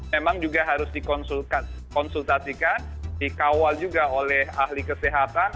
memang juga harus dikonsultasikan dikawal juga oleh ahli kesehatan